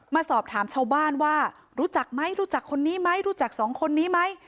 มาสอบถามชาวบ้านว่ารู้จักไหมรู้จักคนนี้ไหมรู้จักสองคนนี้ไหม